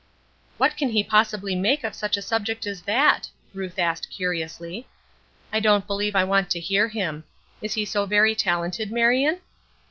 "What can he possibly make of such a subject as that?" Ruth asked, curiously. "I don't believe I want to hear him. Is he so very talented, Marion?"